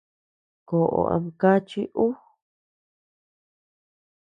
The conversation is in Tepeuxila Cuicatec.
Koʼó ama kàchi uu.